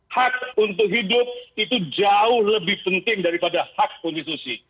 hak untuk hidup itu jauh lebih penting daripada hak konstitusi